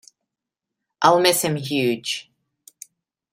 I'll miss him huge.